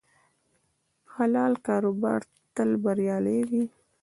حلال کاروبار تل بریالی وي.